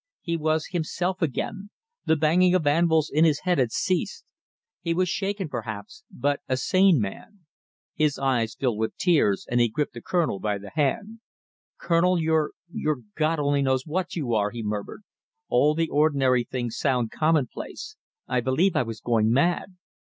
He was himself again, the banging of anvils in his head had ceased; he was shaken perhaps, but a sane man. His eyes filled with tears, and he gripped the Colonel by the hand. "Colonel, you're you're God knows what you are," he murmured. "All the ordinary things sound commonplace. I believe I was going mad."